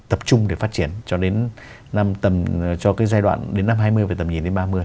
tập trung để phát triển cho đến tầm cho cái giai đoạn đến năm hai mươi về tầm nhìn đến ba mươi